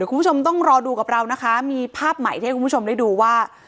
คุณผู้ชมต้องรอดูกับเรานะคะมีภาพใหม่ที่ให้คุณผู้ชมได้ดูว่า